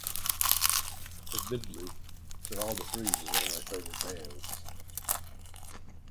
Admittedly, Cheval de Frise is one of my favorite bands.